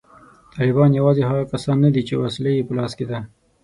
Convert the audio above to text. طالبان یوازې هغه کسان نه دي چې وسله یې په لاس کې ده